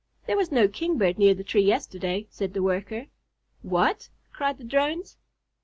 "There was no Kingbird near the tree yesterday," said the Worker. "What!" cried the Drones.